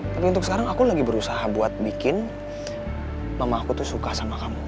tapi untuk sekarang aku lagi berusaha buat bikin mama aku tuh suka sama kamu